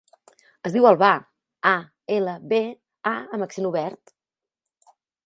Es diu Albà: a, ela, be, a amb accent obert.